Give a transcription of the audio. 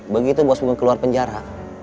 begitu bos keluar penjara